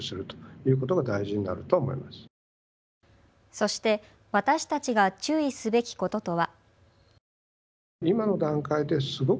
そして、私たちが注意すべきこととは。